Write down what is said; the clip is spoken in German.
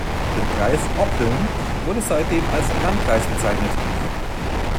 Der Kreis Oppeln wurde seitdem als "Landkreis" bezeichnet.